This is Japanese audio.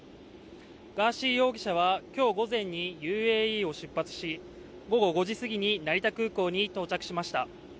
ガーシー容疑者は今日午前にＵＡＥを出発し午後５時すぎに成田空港に到着しました。